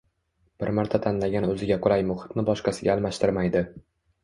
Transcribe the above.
Bir marta tanlagan o’ziga qulay muhitini boshqasiga almashtirmaydi